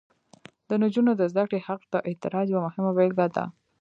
د نجونو د زده کړې حق د اعتراض یوه مهمه بیلګه ده.